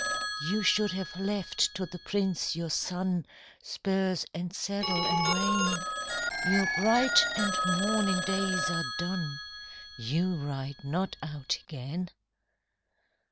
"You should have left to the prince your son Spurs and saddle and rein: Your bright and morning days are done; You ride not out again."